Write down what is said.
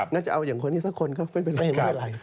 น่าจะเอาอย่างคนนี้สักคนก็ไม่เป็นไร